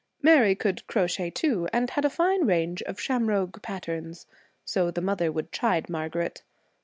Mary could crochet, too, and had a fine range of 'shamrogue' patterns. So the mother would chide Margaret.